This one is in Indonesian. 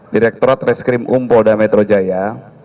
direkturat reskrim umpolda metro jaya